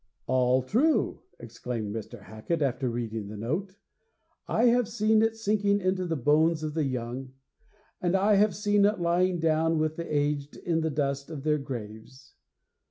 'All true!' exclaimed Mr. Hacket, after reading the note. 'I have seen it sinking into the bones of the young, and I have seen it lying down with the aged in the dust of their graves.